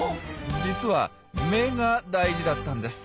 実は眼が大事だったんです。